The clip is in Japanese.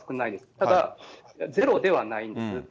ただ、ゼロではないんです。